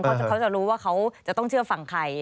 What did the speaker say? เขาจะรู้ว่าเขาจะต้องเชื่อฟังใคร